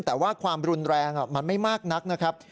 แต่ว่าความรุนแรงมันไม่มากนักนะครับ